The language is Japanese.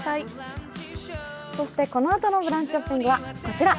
そしてこのあとの「ブランチショッピング」はこちら。